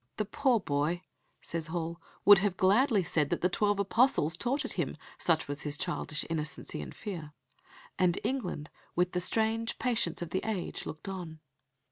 "The poor boy," says Hall, "would have gladly said that the twelve Apostles taught it him ... such was his childish innocency and fear." And England, with the strange patience of the age, looked on.